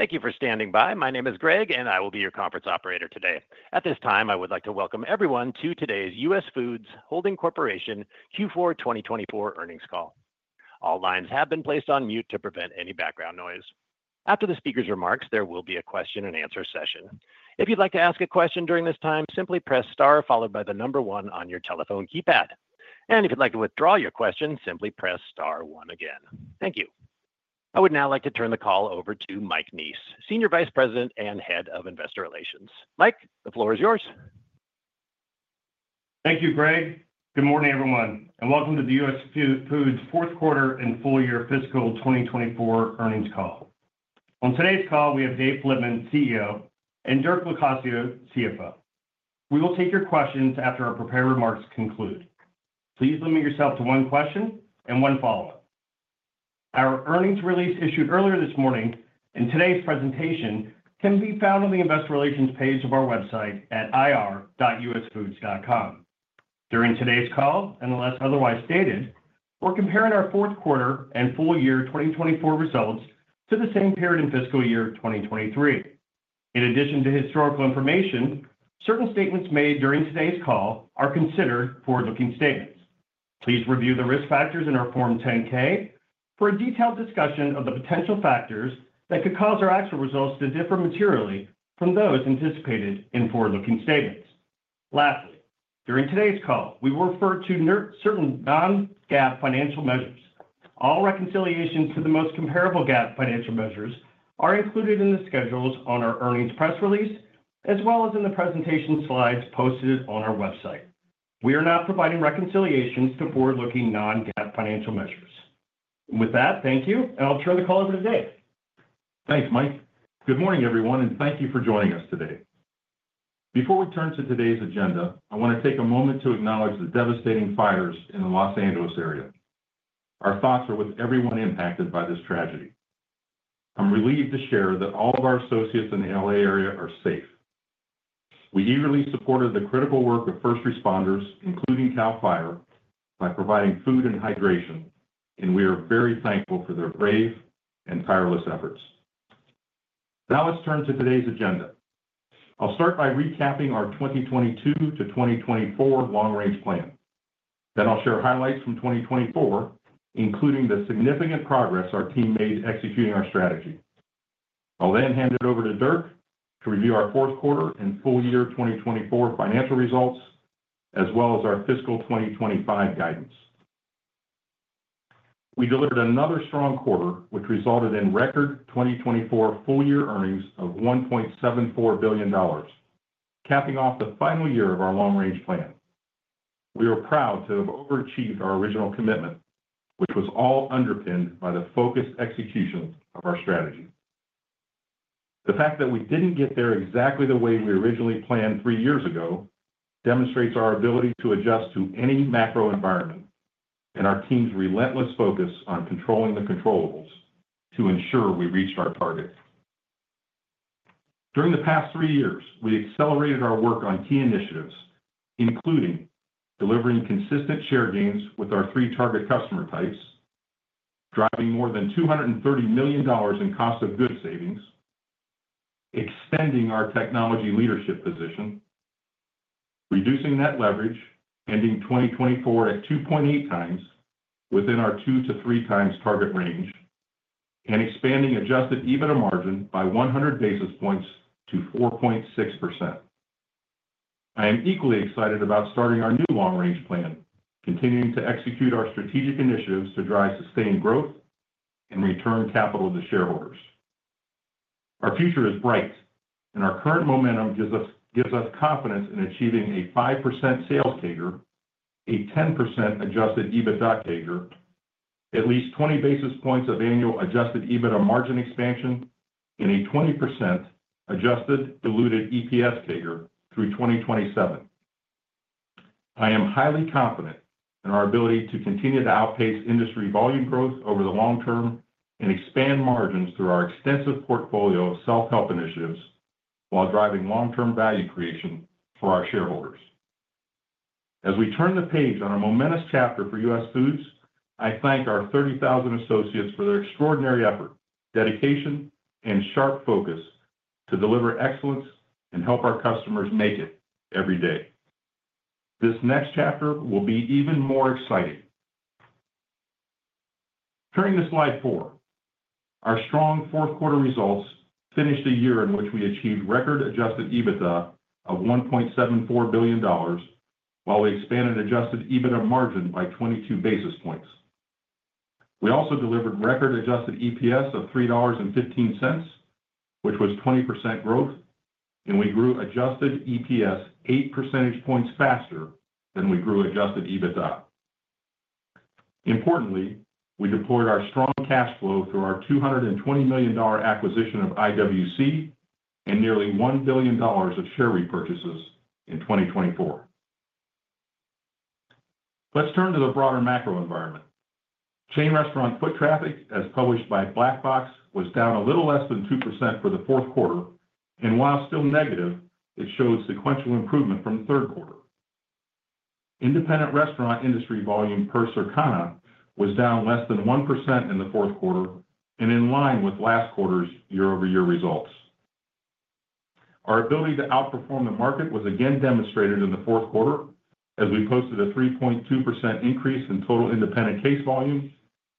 Thank you for standing by. My name is Greg, and I will be your conference operator today. At this time, I would like to welcome everyone to today's US Foods Holding Corporation Q4 2024 earnings call. All lines have been placed on mute to prevent any background noise. After the speaker's remarks, there will be a question-and-answer session. If you'd like to ask a question during this time, simply press star followed by the number one on your telephone keypad. And if you'd like to withdraw your question, simply press star one again. Thank you. I would now like to turn the call over to Mike Neese, Senior Vice President and Head of Investor Relations. Mike, the floor is yours. Thank you, Greg. Good morning, everyone, and welcome to the US Foods fourth quarter and full year fiscal 2024 earnings call. On today's call, we have Dave Flitman, CEO, and Dirk Locascio, CFO. We will take your questions after our prepared remarks conclude. Please limit yourself to one question and one follow-up. Our earnings release issued earlier this morning and today's presentation can be found on the investor relations page of our website at ir.usfoods.com. During today's call, unless otherwise stated, we're comparing our fourth quarter and full year 2024 results to the same period in fiscal year 2023. In addition to historical information, certain statements made during today's call are considered forward-looking statements. Please review the risk factors in our Form 10-K for a detailed discussion of the potential factors that could cause our actual results to differ materially from those anticipated in forward-looking statements. Lastly, during today's call, we will refer to certain Non-GAAP financial measures. All reconciliations to the most comparable GAAP financial measures are included in the schedules on our earnings press release, as well as in the presentation slides posted on our website. We are not providing reconciliations to forward-looking Non-GAAP financial measures. With that, thank you, and I'll turn the call over to Dave. Thanks, Mike. Good morning, everyone, and thank you for joining us today. Before we turn to today's agenda, I want to take a moment to acknowledge the devastating fires in the Los Angeles area. Our thoughts are with everyone impacted by this tragedy. I'm relieved to share that all of our associates in the LA area are safe. We eagerly supported the critical work of first responders, including Cal Fire, by providing food and hydration, and we are very thankful for their brave and tireless efforts. Now let's turn to today's agenda. I'll start by recapping our 2022 to 2024 long-range plan. Then I'll share highlights from 2024, including the significant progress our team made executing our strategy. I'll then hand it over to Dirk to review our fourth quarter and full year 2024 financial results, as well as our fiscal 2025 guidance. We delivered another strong quarter, which resulted in record 2024 full year earnings of $1.74 billion, capping off the final year of our long-range plan. We are proud to have overachieved our original commitment, which was all underpinned by the focused execution of our strategy. The fact that we didn't get there exactly the way we originally planned three years ago demonstrates our ability to adjust to any macro environment and our team's relentless focus on controlling the controllables to ensure we reached our target. During the past three years, we accelerated our work on key initiatives, including delivering consistent share gains with our three target customer types, driving more than $230 million in cost of goods savings, extending our technology leadership position, reducing net leverage, ending 2024 at 2.8 times within our two to three times target range, and expanding Adjusted EBITDA margin by 100 basis points to 4.6%. I am equally excited about starting our new long-range plan, continuing to execute our strategic initiatives to drive sustained growth and return capital to shareholders. Our future is bright, and our current momentum gives us confidence in achieving a 5% sales CAGR, a 10% Adjusted EBITDA CAGR, at least 20 basis points of annual Adjusted EBITDA margin expansion, and a 20% adjusted diluted EPS CAGR through 2027. I am highly confident in our ability to continue to outpace industry volume growth over the long term and expand margins through our extensive portfolio of self-help initiatives while driving long-term value creation for our shareholders. As we turn the page on a momentous chapter for US Foods, I thank our 30,000 associates for their extraordinary effort, dedication, and sharp focus to deliver excellence and help our customers make it every day. This next chapter will be even more exciting. Turning to slide four, our strong fourth quarter results finished a year in which we achieved record Adjusted EBITDA of $1.74 billion, while we expanded Adjusted EBITDA margin by 22 basis points. We also delivered record adjusted EPS of $3.15, which was 20% growth, and we grew adjusted EPS 8 percentage points faster than we grew Adjusted EBITDA. Importantly, we deployed our strong cash flow through our $220 million acquisition of IWC and nearly $1 billion of share repurchases in 2024. Let's turn to the broader macro environment. Chain restaurant foot traffic, as published by Black Box, was down a little less than 2% for the fourth quarter, and while still negative, it showed sequential improvement from the third quarter. Independent restaurant industry volume per Circana was down less than 1% in the fourth quarter, and in line with last quarter's year-over-year results. Our ability to outperform the market was again demonstrated in the fourth quarter, as we posted a 3.2% increase in total independent case volume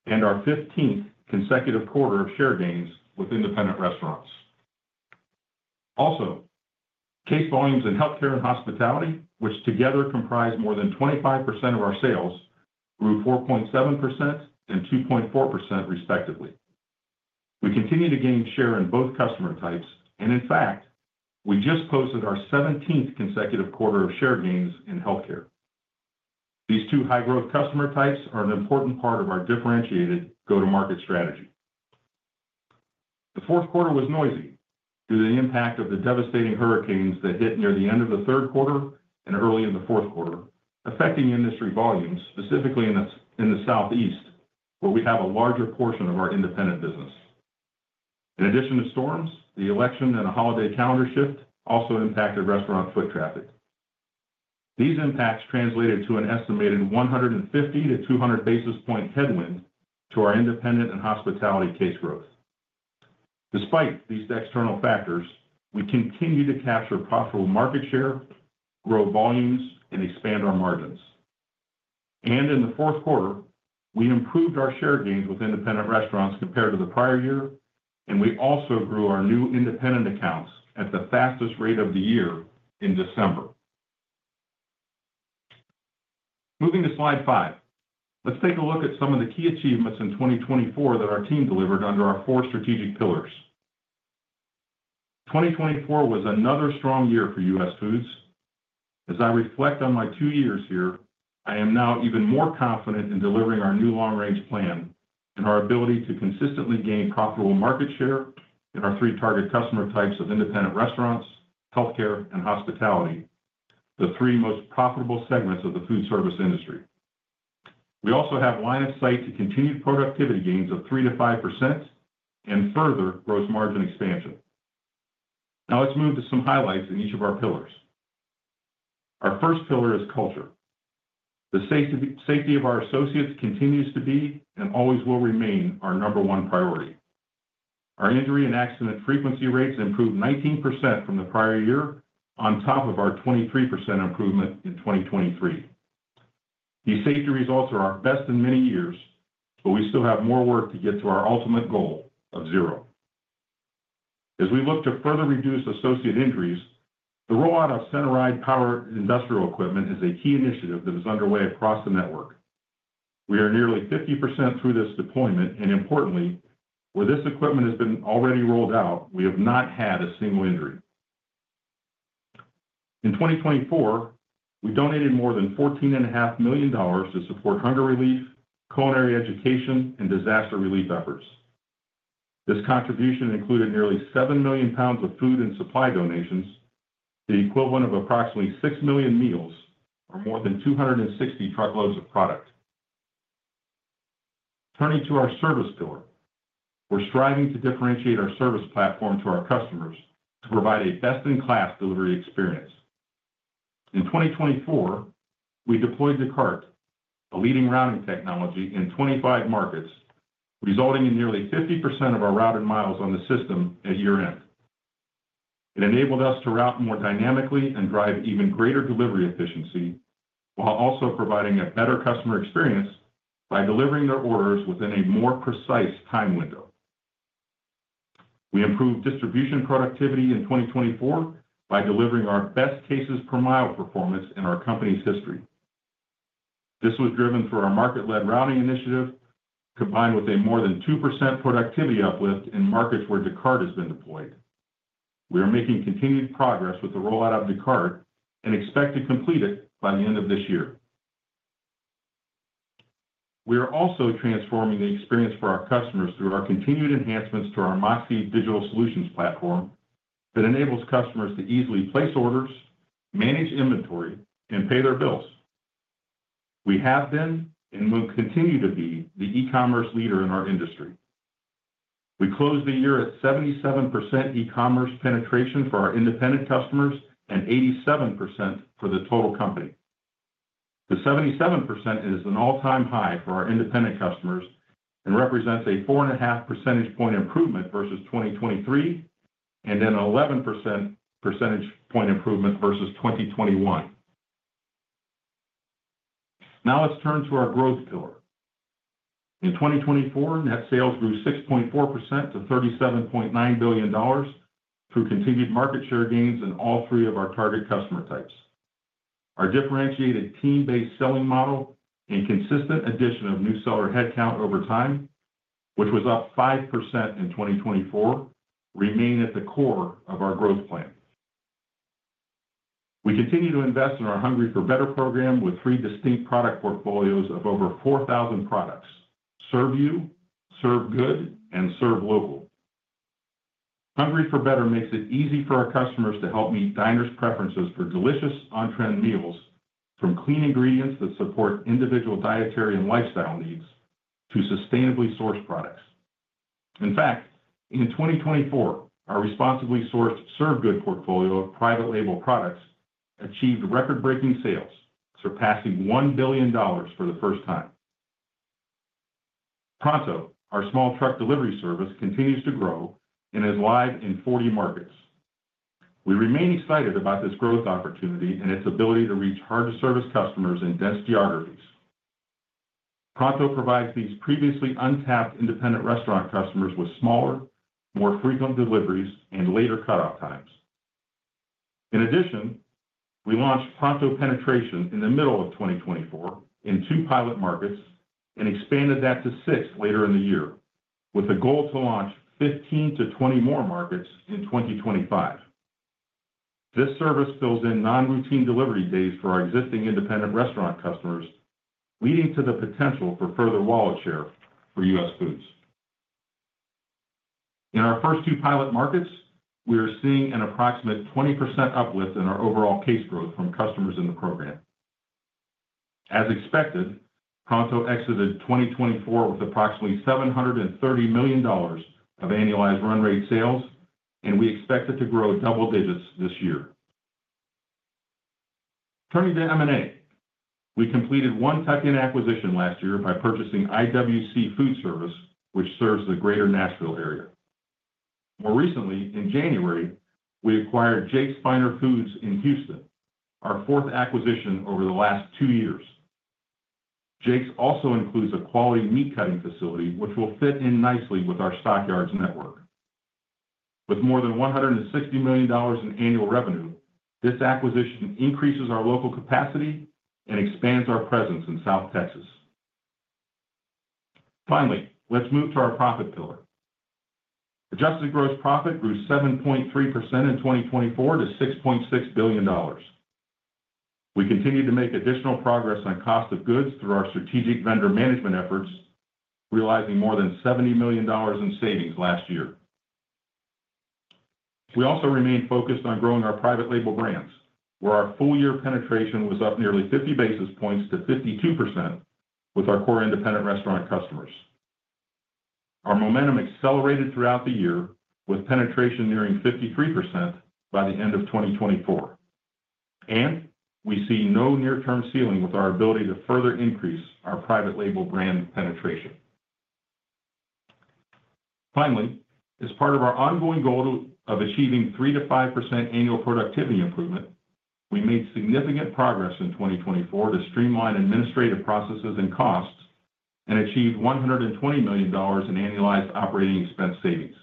and our 15th consecutive quarter of share gains with independent restaurants. Also, case volumes in healthcare and hospitality, which together comprise more than 25% of our sales, grew 4.7% and 2.4% respectively. We continue to gain share in both customer types, and in fact, we just posted our 17th consecutive quarter of share gains in healthcare. These two high-growth customer types are an important part of our differentiated go-to-market strategy. The fourth quarter was noisy due to the impact of the devastating hurricanes that hit near the end of the third quarter and early in the fourth quarter, affecting industry volumes, specifically in the Southeast, where we have a larger portion of our independent business. In addition to storms, the election and a holiday calendar shift also impacted restaurant foot traffic. These impacts translated to an estimated 150-200 basis points headwind to our independent and hospitality case growth. Despite these external factors, we continue to capture profitable market share, grow volumes, and expand our margins. And in the fourth quarter, we improved our share gains with independent restaurants compared to the prior year, and we also grew our new independent accounts at the fastest rate of the year in December. Moving to slide five, let's take a look at some of the key achievements in 2024 that our team delivered under our four strategic pillars. 2024 was another strong year for US Foods. As I reflect on my two years here, I am now even more confident in delivering our new long-range plan and our ability to consistently gain profitable market share in our three target customer types of independent restaurants, healthcare, and hospitality, the three most profitable segments of the food service industry. We also have line of sight to continued productivity gains of 3%-5% and further gross margin expansion. Now let's move to some highlights in each of our pillars. Our first pillar is culture. The safety of our associates continues to be and always will remain our number one priority. Our injury and accident frequency rates improved 19% from the prior year, on top of our 23% improvement in 2023. These safety results are our best in many years, but we still have more work to get to our ultimate goal of zero. As we look to further reduce associate injuries, the rollout of centralized powered industrial equipment is a key initiative that is underway across the network. We are nearly 50% through this deployment, and importantly, where this equipment has been already rolled out, we have not had a single injury. In 2024, we donated more than $14.5 million to support hunger relief, culinary education, and disaster relief efforts. This contribution included nearly seven million pounds of food and supply donations, the equivalent of approximately six million meals for more than 260 truckloads of product. Turning to our CHEF'STORE, we're striving to differentiate our service platform to our customers to provide a best-in-class delivery experience. In 2024, we deployed Descartes, a leading routing technology in 25 markets, resulting in nearly 50% of our routed miles on the system at year-end. It enabled us to route more dynamically and drive even greater delivery efficiency, while also providing a better customer experience by delivering their orders within a more precise time window. We improved distribution productivity in 2024 by delivering our best cases per mile performance in our company's history. This was driven through our market-led routing initiative, combined with a more than 2% productivity uplift in markets where Descartes has been deployed. We are making continued progress with the rollout of Descartes and expect to complete it by the end of this year. We are also transforming the experience for our customers through our continued enhancements to our MOXē Digital Solutions platform that enables customers to easily place orders, manage inventory, and pay their bills. We have been and will continue to be the e-commerce leader in our industry. We closed the year at 77% e-commerce penetration for our independent customers and 87% for the total company. The 77% is an all-time high for our independent customers and represents a 4.5 percentage point improvement versus 2023 and an 11 percentage point improvement versus 2021. Now let's turn to our growth pillar. In 2024, net sales grew 6.4% to $37.9 billion through continued market share gains in all three of our target customer types. Our differentiated team-based selling model and consistent addition of new seller headcount over time, which was up 5% in 2024, remain at the core of our growth plan. We continue to invest in our Hungry for Better program with three distinct product portfolios of over 4,000 products: Serve You, Serve Good, and Serve Local. Hungry for Better makes it easy for our customers to help meet diners' preferences for delicious on-trend meals, from clean ingredients that support individual dietary and lifestyle needs to sustainably sourced products. In fact, in 2024, our responsibly sourced Serve Good portfolio of private label products achieved record-breaking sales, surpassing $1 billion for the first time. Pronto, our small truck delivery service, continues to grow and is live in 40 markets. We remain excited about this growth opportunity and its ability to reach hard-to-service customers in dense geographies. Pronto provides these previously untapped independent restaurant customers with smaller, more frequent deliveries and later cutoff times. In addition, we launched Pronto penetration in the middle of 2024 in two pilot markets and expanded that to six later in the year, with a goal to launch 15-20 more markets in 2025. This service fills in non-routine delivery days for our existing independent restaurant customers, leading to the potential for further wallet share for US Foods. In our first two pilot markets, we are seeing an approximate 20% uplift in our overall case growth from customers in the program. As expected, Pronto exited 2024 with approximately $730 million of annualized run rate sales, and we expect it to grow double digits this year. Turning to M&A, we completed one tuck-in acquisition last year by purchasing IWC Food Service, which serves the greater Nashville area. More recently, in January, we acquired Jake's Finer Foods in Houston, our fourth acquisition over the last two years. Jake's also includes a quality meat cutting facility, which will fit in nicely with our Stock Yards network. With more than $160 million in annual revenue, this acquisition increases our local capacity and expands our presence in South Texas. Finally, let's move to our profit pillar. Adjusted gross profit grew 7.3% in 2024 to $6.6 billion. We continued to make additional progress on cost of goods through our strategic vendor management efforts, realizing more than $70 million in savings last year. We also remained focused on growing our private label brands, where our full-year penetration was up nearly 50 basis points to 52% with our core independent restaurant customers. Our momentum accelerated throughout the year, with penetration nearing 53% by the end of 2024. And we see no near-term ceiling with our ability to further increase our private label brand penetration. Finally, as part of our ongoing goal of achieving 3%-5% annual productivity improvement, we made significant progress in 2024 to streamline administrative processes and costs and achieved $120 million in annualized operating expense savings.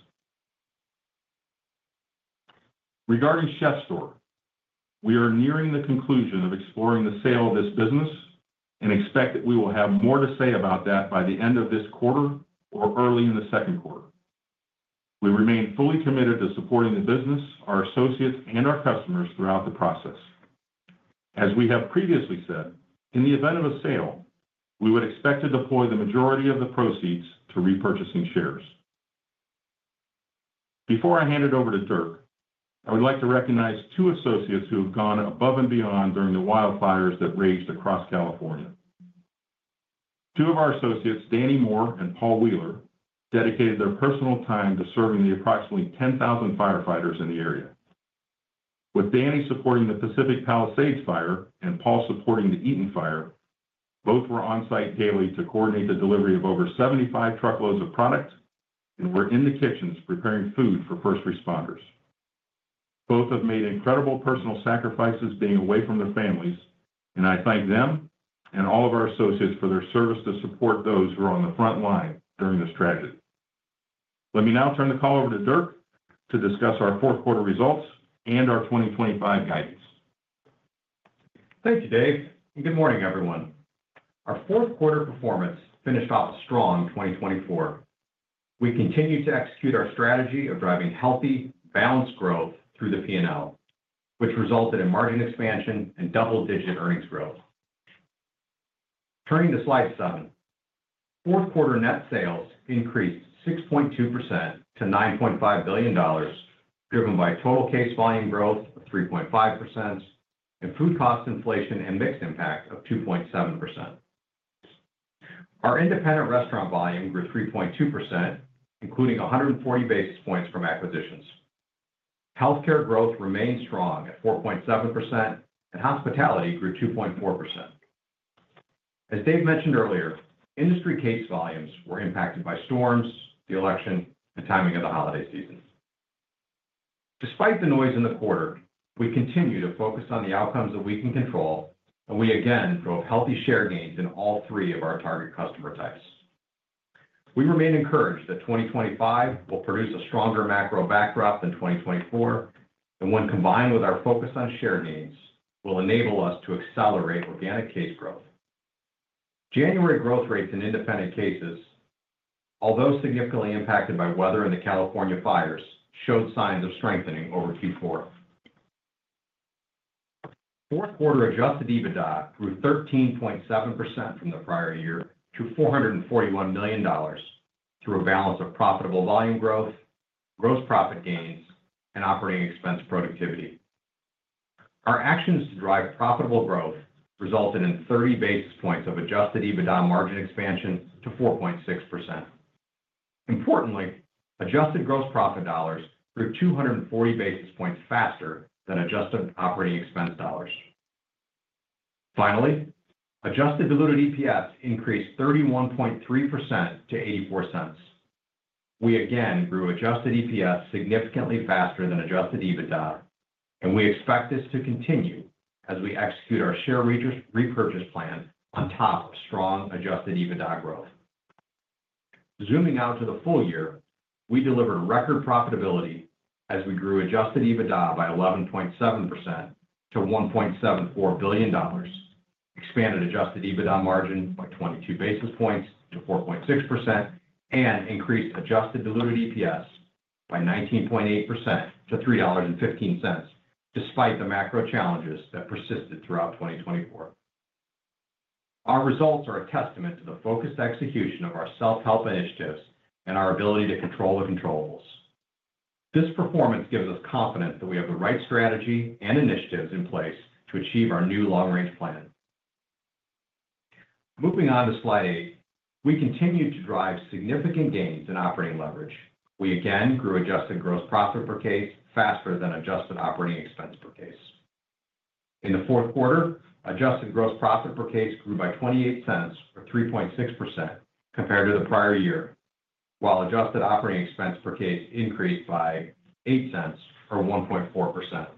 Regarding CHEF'STORE, we are nearing the conclusion of exploring the sale of this business and expect that we will have more to say about that by the end of this quarter or early in the second quarter. We remain fully committed to supporting the business, our associates, and our customers throughout the process. As we have previously said, in the event of a sale, we would expect to deploy the majority of the proceeds to repurchasing shares. Before I hand it over to Dirk, I would like to recognize two associates who have gone above and beyond during the wildfires that raged across California. Two of our associates, Danny Moore and Paul Wheeler, dedicated their personal time to serving the approximately 10,000 firefighters in the area. With Danny supporting the Pacific Palisades Fire and Paul supporting the Eaton Fire, both were on site daily to coordinate the delivery of over 75 truckloads of product and were in the kitchens preparing food for first responders. Both have made incredible personal sacrifices being away from their families, and I thank them and all of our associates for their service to support those who are on the front line during this tragedy. Let me now turn the call over to Dirk to discuss our fourth quarter results and our 2025 guidance. Thank you, Dave, and good morning, everyone. Our fourth quarter performance finished off strong 2024. We continued to execute our strategy of driving healthy, balanced growth through the P&L, which resulted in margin expansion and double-digit earnings growth. Turning to slide seven, fourth quarter net sales increased 6.2% to $9.5 billion, driven by total case volume growth of 3.5% and food cost inflation and mixed impact of 2.7%. Our independent restaurant volume grew 3.2%, including 140 basis points from acquisitions. Healthcare growth remained strong at 4.7%, and hospitality grew 2.4%. As Dave mentioned earlier, industry case volumes were impacted by storms, the election, and timing of the holiday season. Despite the noise in the quarter, we continue to focus on the outcomes that we can control, and we again drove healthy share gains in all three of our target customer types. We remain encouraged that 2025 will produce a stronger macro backdrop than 2024, and when combined with our focus on share gains, will enable us to accelerate organic case growth. January growth rates in independent cases, although significantly impacted by weather and the California fires, showed signs of strengthening over Q4. Fourth quarter Adjusted EBITDA grew 13.7% from the prior year to $441 million through a balance of profitable volume growth, gross profit gains, and operating expense productivity. Our actions to drive profitable growth resulted in 30 basis points of Adjusted EBITDA margin expansion to 4.6%. Importantly, adjusted gross profit dollars grew 240 basis points faster than adjusted operating expense dollars. Finally, adjusted diluted EPS increased 31.3% to $0.84. We again grew adjusted EPS significantly faster than Adjusted EBITDA, and we expect this to continue as we execute our share repurchase plan on top of strong Adjusted EBITDA growth. Zooming out to the full year, we delivered record profitability as we grew Adjusted EBITDA by 11.7% to $1.74 billion, expanded Adjusted EBITDA margin by 22 basis points to 4.6%, and increased adjusted diluted EPS by 19.8% to $3.15, despite the macro challenges that persisted throughout 2024. Our results are a testament to the focused execution of our self-help initiatives and our ability to control the controls. This performance gives us confidence that we have the right strategy and initiatives in place to achieve our new long-range plan. Moving on to slide eight, we continue to drive significant gains in operating leverage. We again grew adjusted gross profit per case faster than adjusted operating expense per case. In the fourth quarter, adjusted gross profit per case grew by $0.28 or 3.6% compared to the prior year, while adjusted operating expense per case increased by $0.08 or 1.4%.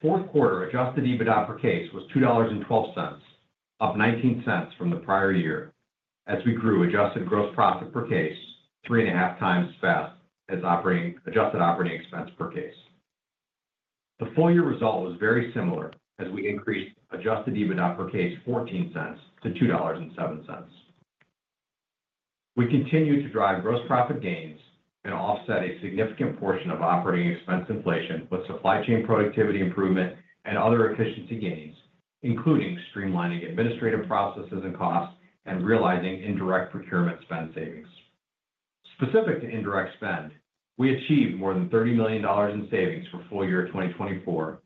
Fourth quarter Adjusted EBITDA per case was $2.12, up $0.19 from the prior year as we grew adjusted gross profit per case three and a half times as fast as adjusted operating expense per case. The full year result was very similar as we increased Adjusted EBITDA per case $0.14 to $2.07. We continue to drive gross profit gains and offset a significant portion of operating expense inflation with supply chain productivity improvement and other efficiency gains, including streamlining administrative processes and costs and realizing indirect procurement spend savings. Specific to indirect spend, we achieved more than $30 million in savings for full year 2024,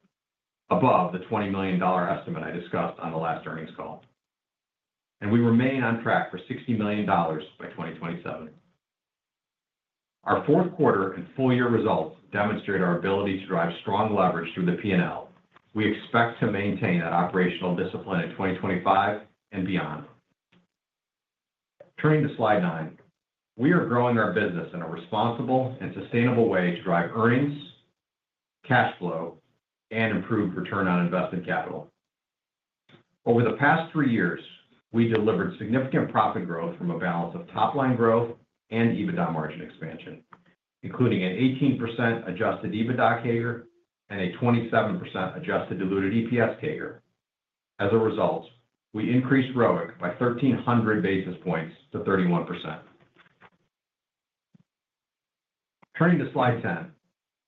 above the $20 million estimate I discussed on the last earnings call, and we remain on track for $60 million by 2027. Our fourth quarter and full year results demonstrate our ability to drive strong leverage through the P&L. We expect to maintain that operational discipline in 2025 and beyond. Turning to slide nine, we are growing our business in a responsible and sustainable way to drive earnings, cash flow, and improved return on invested capital. Over the past three years, we delivered significant profit growth from a balance of top-line growth and EBITDA margin expansion, including an 18% Adjusted EBITDA CAGR and a 27% adjusted diluted EPS CAGR. As a result, we increased ROIC by 1,300 basis points to 31%. Turning to slide 10,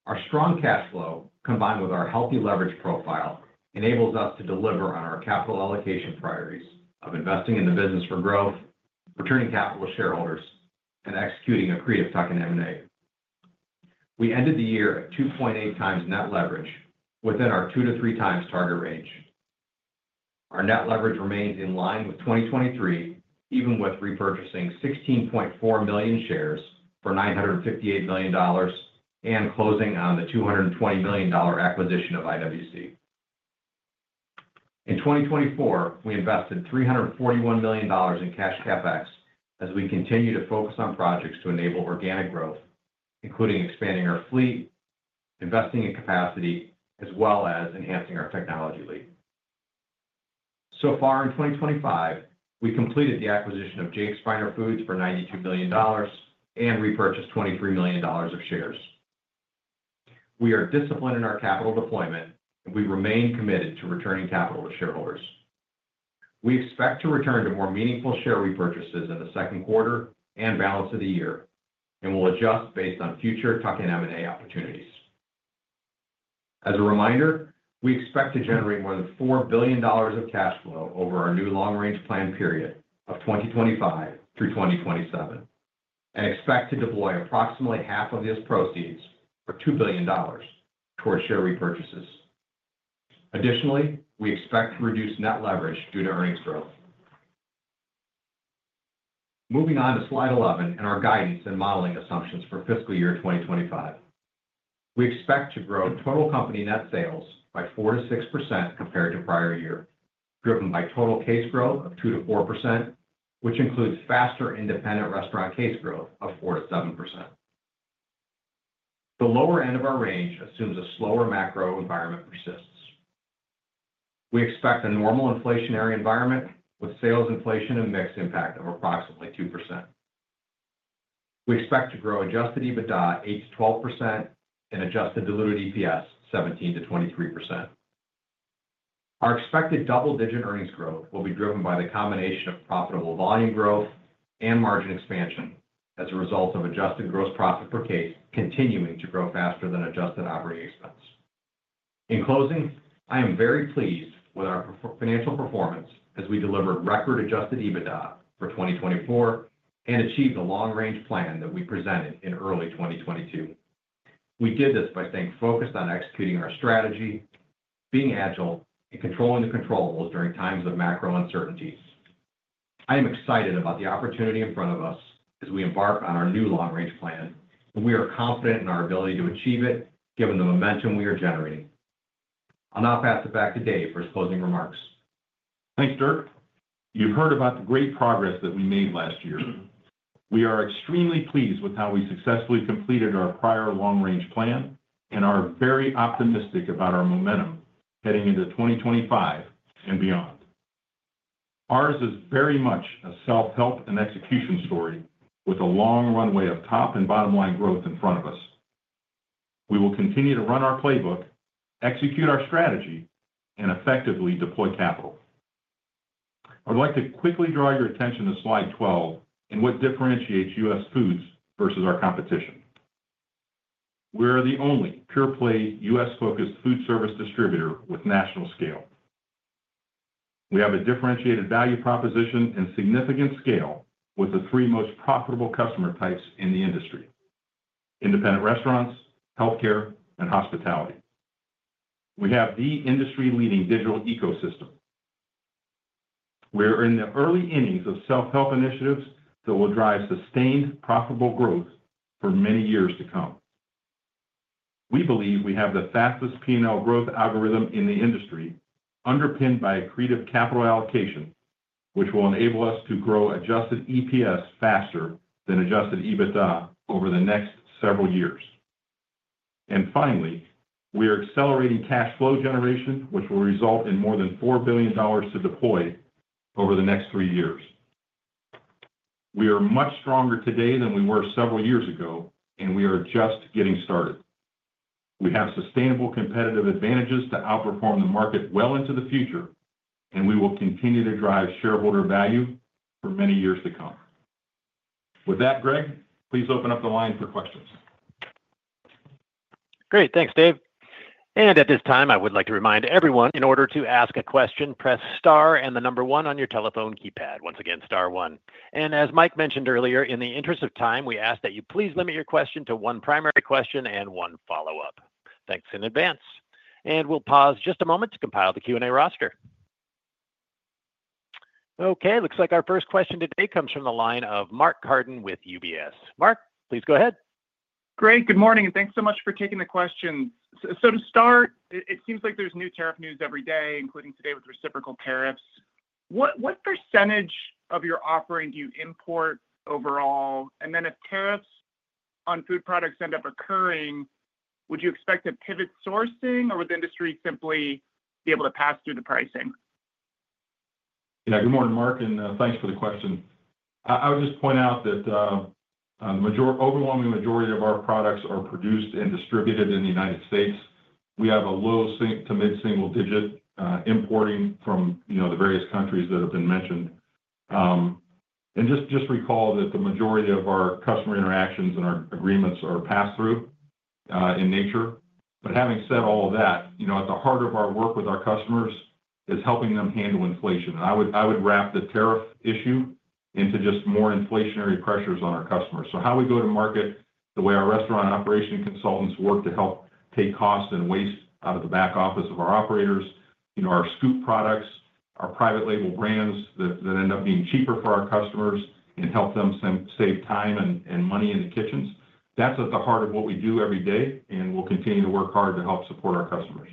our strong cash flow combined with our healthy leverage profile enables us to deliver on our capital allocation priorities of investing in the business for growth, returning capital to shareholders, and executing accretive tuck-in M&A. We ended the year at 2.8 times net leverage within our two to three times target range. Our net leverage remains in line with 2023, even with repurchasing 16.4 million shares for $958 million and closing on the $220 million acquisition of IWC. In 2024, we invested $341 million in cash CapEx as we continue to focus on projects to enable organic growth, including expanding our fleet, investing in capacity, as well as enhancing our technology lead. So far in 2025, we completed the acquisition of Jake's Finer Foods for $92 million and repurchased $23 million of shares. We are disciplined in our capital deployment, and we remain committed to returning capital to shareholders. We expect to return to more meaningful share repurchases in the second quarter and balance of the year, and we'll adjust based on future tuck-in M&A opportunities. As a reminder, we expect to generate more than $4 billion of cash flow over our new long-range plan period of 2025 through 2027 and expect to deploy approximately half of these proceeds for $2 billion towards share repurchases. Additionally, we expect to reduce net leverage due to earnings growth. Moving on to slide 11 and our guidance and modeling assumptions for fiscal year 2025. We expect to grow total company net sales by 4%-6% compared to prior year, driven by total case growth of 2%-4%, which includes faster independent restaurant case growth of 4%-7%. The lower end of our range assumes a slower macro environment persists. We expect a normal inflationary environment with sales inflation and mixed impact of approximately 2%. We expect to grow Adjusted EBITDA 8%-12% and adjusted diluted EPS 17%-23%. Our expected double-digit earnings growth will be driven by the combination of profitable volume growth and margin expansion as a result of adjusted gross profit per case continuing to grow faster than adjusted operating expense. In closing, I am very pleased with our financial performance as we delivered record Adjusted EBITDA for 2024 and achieved a long-range plan that we presented in early 2022. We did this by staying focused on executing our strategy, being agile, and controlling the controllables during times of macro uncertainties. I am excited about the opportunity in front of us as we embark on our new long-range plan, and we are confident in our ability to achieve it given the momentum we are generating. I'll now pass it back to Dave for his closing remarks. Thanks, Dirk. You've heard about the great progress that we made last year. We are extremely pleased with how we successfully completed our prior long-range plan and are very optimistic about our momentum heading into 2025 and beyond. Ours is very much a self-help and execution story with a long runway of top and bottom line growth in front of us. We will continue to run our playbook, execute our strategy, and effectively deploy capital. I would like to quickly draw your attention to slide 12 and what differentiates US Foods versus our competition. We are the only pure-play US-focused food service distributor with national scale. We have a differentiated value proposition and significant scale with the three most profitable customer types in the industry: independent restaurants, healthcare, and hospitality. We have the industry-leading digital ecosystem. We are in the early innings of self-help initiatives that will drive sustained profitable growth for many years to come. We believe we have the fastest P&L growth algorithm in the industry, underpinned by accretive capital allocation, which will enable us to grow adjusted EPS faster than Adjusted EBITDA over the next several years. And finally, we are accelerating cash flow generation, which will result in more than $4 billion to deploy over the next three years. We are much stronger today than we were several years ago, and we are just getting started. We have sustainable competitive advantages to outperform the market well into the future, and we will continue to drive shareholder value for many years to come. With that, Greg, please open up the line for questions. Great. Thanks, Dave. And at this time, I would like to remind everyone in order to ask a question, press star and the number one on your telephone keypad. Once again, star one. As Mike mentioned earlier, in the interest of time, we ask that you please limit your question to one primary question and one follow-up. Thanks in advance. We'll pause just a moment to compile the Q&A roster. Okay. Looks like our first question today comes from the line of Mark Carden with UBS. Mark, please go ahead. Great. Good morning, and thanks so much for taking the questions. So to start, it seems like there's new tariff news every day, including today with reciprocal tariffs. What percentage of your offering do you import overall? Then if tariffs on food products end up occurring, would you expect to pivot sourcing, or would the industry simply be able to pass through the pricing? Yeah. Good morning, Mark, and thanks for the question. I would just point out that the overwhelming majority of our products are produced and distributed in the United States. We have a low to mid-single-digit importing from the various countries that have been mentioned. And just recall that the majority of our customer interactions and our agreements are pass-through in nature. But having said all of that, at the heart of our work with our customers is helping them handle inflation. And I would wrap the tariff issue into just more inflationary pressures on our customers. So how we go to market, the way our restaurant operation consultants work to help take costs and waste out of the back office of our operators, our Scoop products, our private label brands that end up being cheaper for our customers and help them save time and money in the kitchens, that's at the heart of what we do every day, and we'll continue to work hard to help support our customers.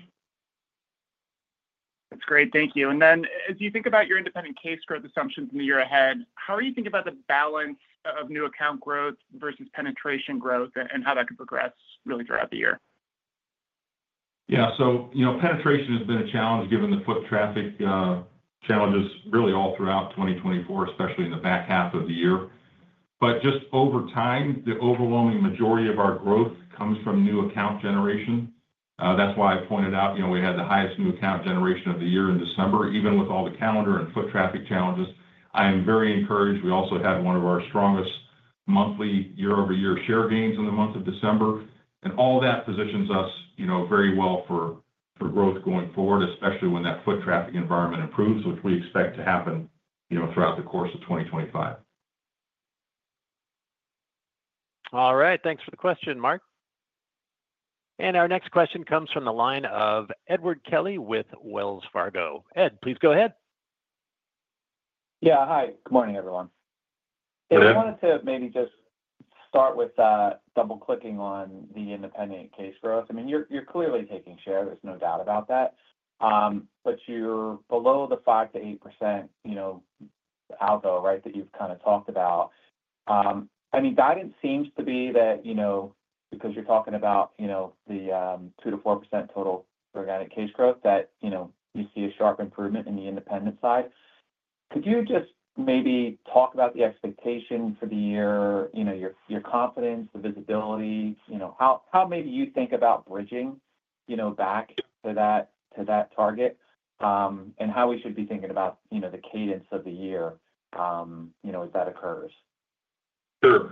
That's great. Thank you. And then as you think about your independent case growth assumptions in the year ahead, how do you think about the balance of new account growth versus penetration growth and how that could progress really throughout the year? Yeah. So penetration has been a challenge given the foot traffic challenges really all throughout 2024, especially in the back half of the year. But just over time, the overwhelming majority of our growth comes from new account generation. That's why I pointed out we had the highest new account generation of the year in December, even with all the calendar and foot traffic challenges. I am very encouraged. We also had one of our strongest monthly year-over-year share gains in the month of December. And all that positions us very well for growth going forward, especially when that foot traffic environment improves, which we expect to happen throughout the course of 2025. All right. Thanks for the question, Mark. And our next question comes from the line of Edward Kelly with Wells Fargo. Ed, please go ahead. Yeah. Hi. Good morning, everyone. I wanted to maybe just start with double-clicking on the independent case growth. I mean, you're clearly taking share. There's no doubt about that. But you're below the 5%-8% algo, right, that you've kind of talked about. I mean, guidance seems to be that because you're talking about the 2%-4% total organic case growth, that you see a sharp improvement in the independent side. Could you just maybe talk about the expectation for the year, your confidence, the visibility? How maybe you think about bridging back to that target and how we should be thinking about the cadence of the year if that occurs? Sure.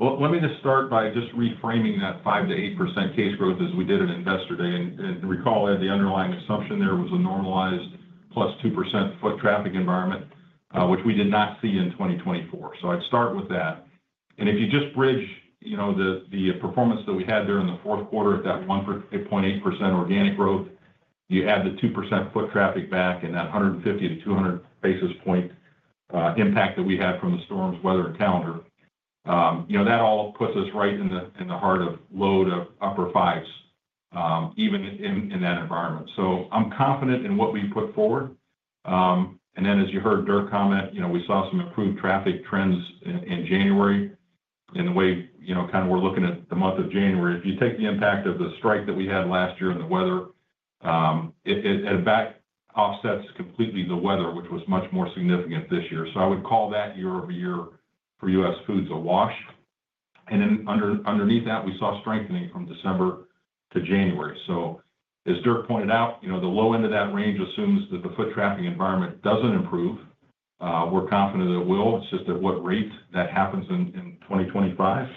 Well, let me just start by just reframing that 5%-8% case growth as we did it yesterday. And recall, Ed, the underlying assumption there was a normalized +2% foot traffic environment, which we did not see in 2024. So I'd start with that. If you just bridge the performance that we had there in the fourth quarter at that 1.8% organic growth, you add the 2% foot traffic back and that 150 to 200 basis point impact that we had from the storms, weather, and calendar, that all puts us right in the heart of low to upper fives, even in that environment. So I'm confident in what we put forward. And then, as you heard Dirk comment, we saw some improved traffic trends in January. And the way kind of we're looking at the month of January, if you take the impact of the strike that we had last year and the weather, it offsets completely the weather, which was much more significant this year. So I would call that year-over-year for US Foods a wash. And then underneath that, we saw strengthening from December to January. So as Dirk pointed out, the low end of that range assumes that the foot traffic environment doesn't improve. We're confident it will. It's just at what rate that happens in 2025.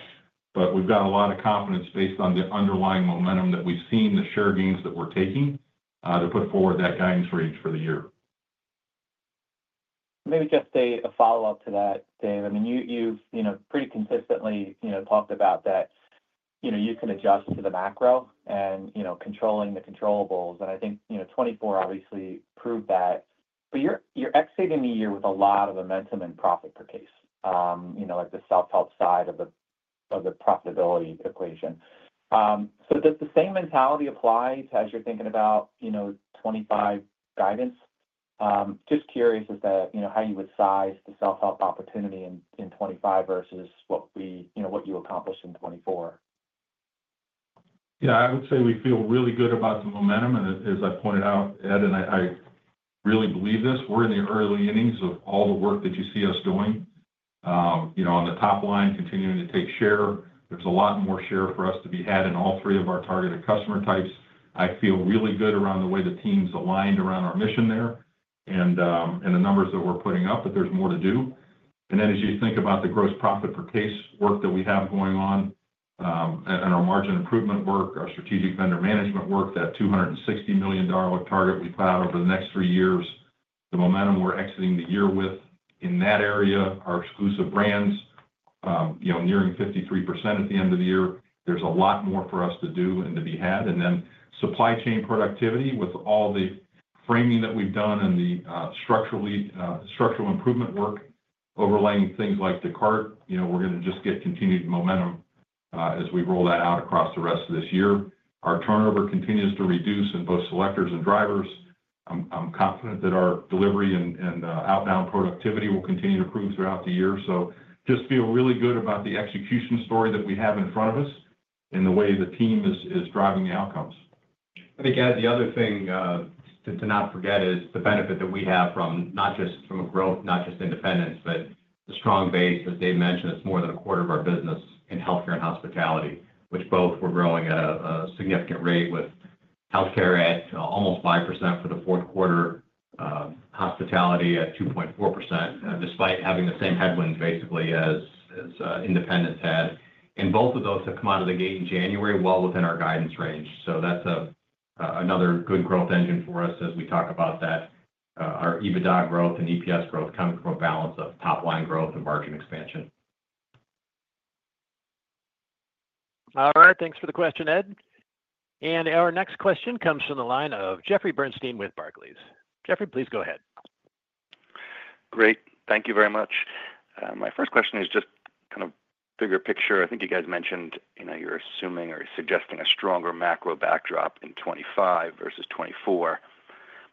But we've got a lot of confidence based on the underlying momentum that we've seen, the share gains that we're taking to put forward that guidance range for the year. Maybe just a follow-up to that, Dave. I mean, you've pretty consistently talked about that you can adjust to the macro and controlling the controllables, and I think 2024 obviously proved that. But you're exiting the year with a lot of momentum and profit per case, like the self-help side of the profitability equation. So does the same mentality apply as you're thinking about 2025 guidance? Just curious as to how you would size the self-help opportunity in 2025 versus what you accomplished in 2024. Yeah. I would say we feel really good about the momentum, and as I pointed out, Ed, and I really believe this, we're in the early innings of all the work that you see us doing. On the top line, continuing to take share, there's a lot more share for us to be had in all three of our targeted customer types. I feel really good around the way the team's aligned around our mission there and the numbers that we're putting up that there's more to do. And then as you think about the gross profit per case work that we have going on and our margin improvement work, our strategic vendor management work, that $260 million target we put out over the next three years, the momentum we're exiting the year with in that area, our exclusive brands nearing 53% at the end of the year, there's a lot more for us to do and to be had. And then supply chain productivity with all the framing that we've done and the structural improvement work overlaying things like Descartes, we're going to just get continued momentum as we roll that out across the rest of this year. Our turnover continues to reduce in both selectors and drivers. I'm confident that our delivery and outbound productivity will continue to improve throughout the year. So we just feel really good about the execution story that we have in front of us and the way the team is driving the outcomes. I think, Ed, the other thing to not forget is the benefit that we have from not just growth, not just independent, but the strong base. As Dave mentioned, it's more than a quarter of our business in healthcare and hospitality, which both were growing at a significant rate with healthcare at almost 5% for the fourth quarter, hospitality at 2.4%, despite having the same headwinds basically as independent had. And both of those have come out of the gate in January well within our guidance range. So that's another good growth engine for us as we talk about that. Our EBITDA growth and EPS growth come from a balance of top-line growth and margin expansion. All right. Thanks for the question, Ed. Our next question comes from the line of Jeffrey Bernstein with Barclays. Jeffrey, please go ahead. Great. Thank you very much. My first question is just kind of bigger picture. I think you guys mentioned you're assuming or suggesting a stronger macro backdrop in 2025 versus 2024. I'm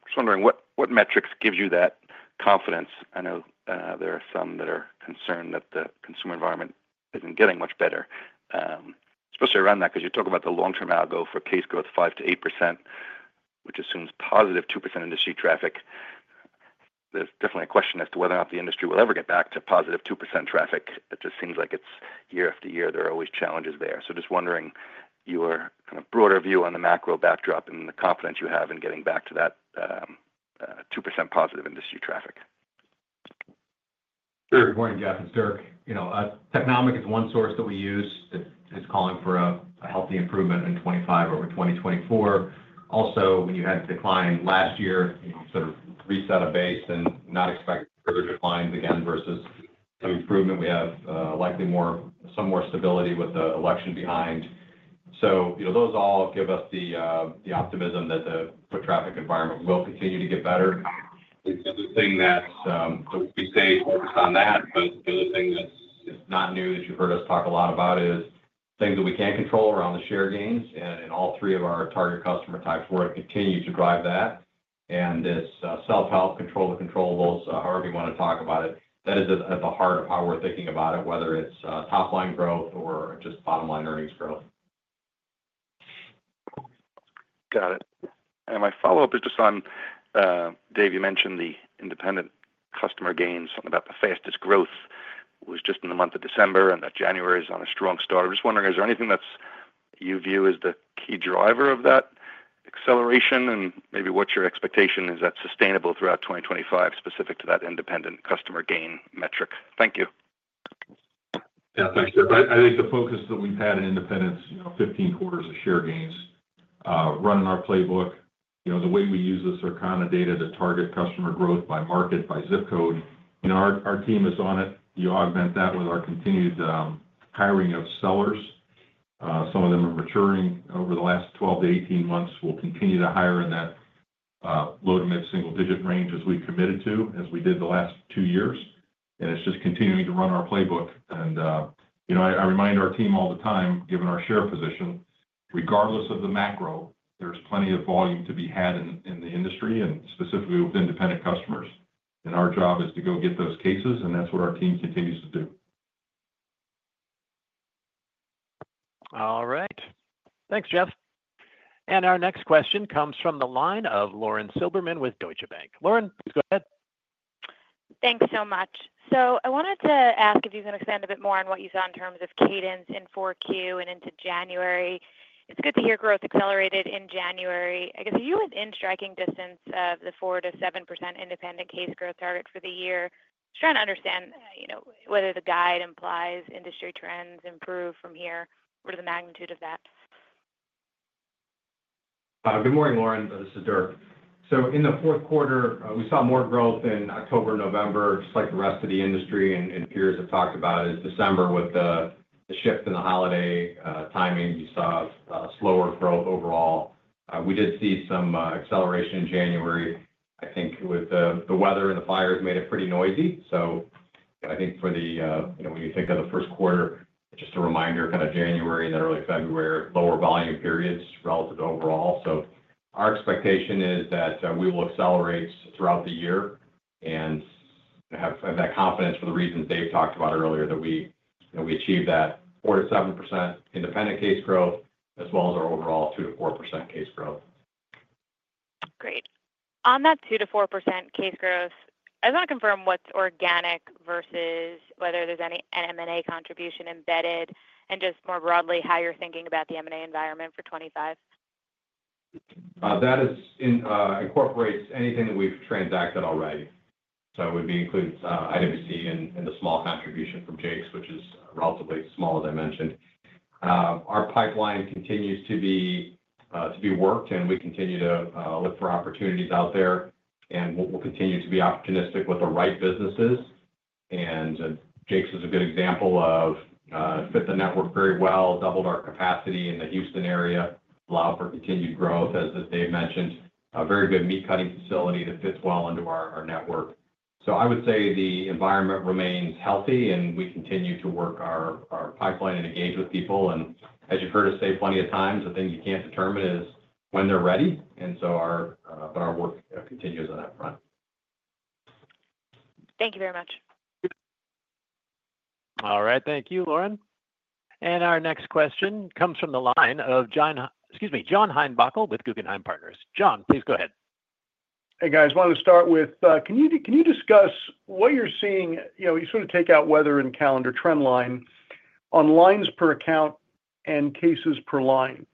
just wondering what metrics give you that confidence? I know there are some that are concerned that the consumer environment isn't getting much better, especially around that because you're talking about the long-term algorithm for case growth 5%-8%, which assumes positive 2% industry traffic. There's definitely a question as to whether or not the industry will ever get back to positive 2% traffic. It just seems like it's year after year. There are always challenges there. So just wondering your kind of broader view on the macro backdrop and the confidence you have in getting back to that 2% positive industry traffic. Sure. Good morning, Jeff. It's Dirk. Technomic is one source that we use that is calling for a healthy improvement in 2025 over 2024. Also, when you had a decline last year, you sort of reached out a base and not expected further declines again versus some improvement. We have likely some more stability with the election behind. So those all give us the optimism that the foot traffic environment will continue to get better. It's the other thing that we stay focused on that. But the other thing that's not new that you've heard us talk a lot about is things that we can't control around the share gains. And in all three of our target customer types, we're going to continue to drive that. And it's self-help, control the controllables. However you want to talk about it, that is at the heart of how we're thinking about it, whether it's top-line growth or just bottom-line earnings growth. Got it. And my follow-up is just on Dave. You mentioned the independent customer gains about the fastest growth was just in the month of December, and that January is on a strong start. I'm just wondering, is there anything that you view as the key driver of that acceleration? And maybe what's your expectation? Is that sustainable throughout 2025 specific to that independent customer gain metric? Thank you. Yeah. Thanks, Jeff. I think the focus that we've had with independents, 15 quarters of share gains, running our playbook, the way we use the Circana data to target customer growth by market, by zip code. Our team is on it. You augment that with our continued hiring of sellers. Some of them are maturing over the last 12-18 months. We'll continue to hire in that low to mid-single-digit range as we committed to, as we did the last two years, and it's just continuing to run our playbook. I remind our team all the time, given our share position, regardless of the macro, there's plenty of volume to be had in the industry and specifically with independent customers, and our job is to go get those cases, and that's what our team continues to do. All right. Thanks, Jeff. Our next question comes from the line of Lauren Silberman with Deutsche Bank. Lauren, please go ahead. Thanks so much. So I wanted to ask if you can expand a bit more on what you saw in terms of cadence in 2024 and into January. It's good to hear growth accelerated in January. I guess are you within striking distance of the 4%-7% independent case growth target for the year? Just trying to understand whether the guide implies industry trends improve from here. What are the magnitude of that? Good morning, Lauren. This is Dirk. So in the fourth quarter, we saw more growth in October and November, just like the rest of the industry and peers have talked about, as December with the shift in the holiday timing. You saw slower growth overall. We did see some acceleration in January, I think, with the weather and the fires made it pretty noisy. So I think for the when you think of the first quarter, just a reminder, kind of January and early February, lower volume periods relative to overall. So our expectation is that we will accelerate throughout the year and have that confidence for the reasons Dave talked about earlier that we achieve that 4%-7% independent case growth as well as our overall 2%-4% case growth. Great. On that 2%-4% case growth, I want to confirm what's organic versus whether there's any M&A contribution embedded and just more broadly how you're thinking about the M&A environment for 2025. That incorporates anything that we've transacted already. So it would include IWC and the small contribution from Jake's, which is relatively small, as I mentioned. Our pipeline continues to be worked, and we continue to look for opportunities out there. We'll continue to be opportunistic with the right businesses. Jake's is a good example of fits the network very well, doubled our capacity in the Houston area, allowed for continued growth, as Dave mentioned, a very good meat-cutting facility that fits well into our network. So I would say the environment remains healthy, and we continue to work our pipeline and engage with people. As you've heard us say plenty of times, the thing you can't determine is when they're ready. So our work continues on that front. Thank you very much. All right. Thank you, Lauren. Our next question comes from the line of John, excuse me, John Heinbockel with Guggenheim Partners. John, please go ahead. Hey, guys. I wanted to start with, can you discuss what you're seeing? You sort of take out weather and calendar trend line on lines per account and cases per line,